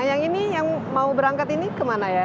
nah yang ini yang mau berangkat ini kemana ya